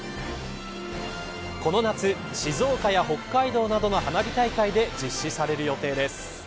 この夏、静岡や北海道などの花火大会で実施される予定です。